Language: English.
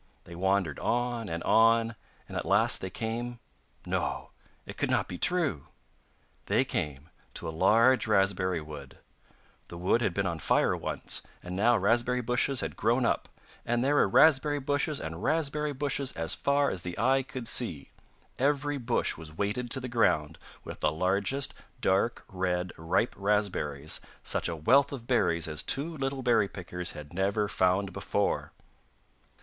They wandered on and on, and at last they came... No, it could not be true!... they came to a large raspberry wood. The wood had been on fire once, and now raspberry bushes had grown up, and there were raspberry bushes and raspberry bushes as far as the eye could see. Every bush was weighted to the ground with the largest, dark red, ripe raspberries, such a wealth of berries as two little berry pickers had never found before!